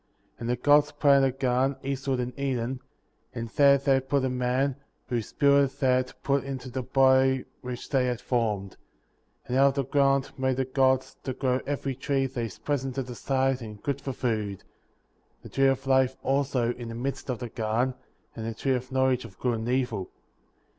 8. And the Gods planted a garden, eastward in Eden, and there they put the man, whose spirit they had put into the body which they had formed. 9. And out of the ground made the Gods to grow every tree that is pleasant to the sight and good for food; the tree of life, also, in the midst of the garden, and the tree of knowledge of good and evil.